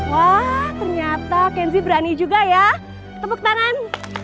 wah ternyata kenzi berani juga ya tepuk tangan